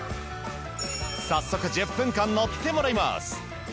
早速１０分間乗ってもらいます。